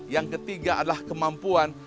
yang ketiga adalah kemampuan